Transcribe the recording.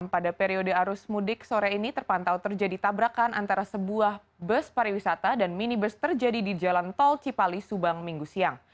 pada periode arus mudik sore ini terpantau terjadi tabrakan antara sebuah bus pariwisata dan minibus terjadi di jalan tol cipali subang minggu siang